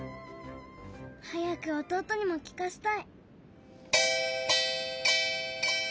早く弟にも聞かせたい。